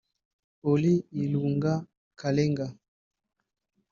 Oly Ilunga Kalenga